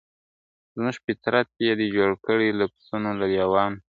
زموږ فطرت یې دی جوړ کړی له پسونو له لېوانو ..